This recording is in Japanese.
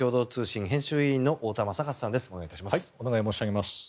お願いします。